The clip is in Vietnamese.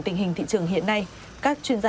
tình hình thị trường hiện nay các chuyên gia